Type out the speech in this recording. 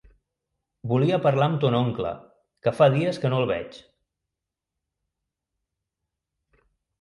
Volia parlar amb ton oncle, que fa dies que no el veig.